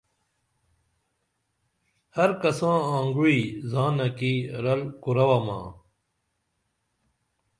ہر کساں آنگوعی زانہ کی رل کُرہ وامہ